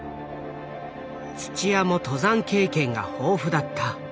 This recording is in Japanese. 土屋も登山経験が豊富だった。